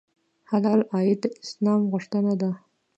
حلال عاید د اسلام غوښتنه ده.